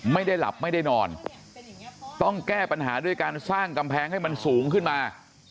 ไม่ได้หลับไม่ได้นอนต้องแก้ปัญหาด้วยการสร้างกำแพงให้มันสูงขึ้นมา